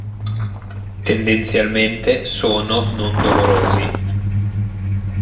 Tendenzialmente sono non dolorosi.